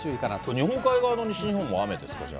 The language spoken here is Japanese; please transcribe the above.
日本海側の西日本も雨ですか、じゃあ。